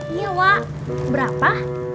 iya wak berapa